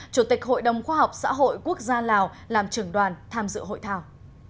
chủ tịch hội đồng khoa học xã hội quốc gia lào làm trưởng đoàn tham dự hội thảo